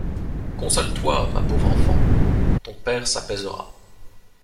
Console-toi, ma pauvre enfant, ton père s’apaisera.